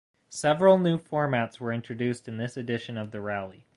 Several new formats were introduced in this edition of the rally.